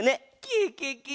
ケケケ！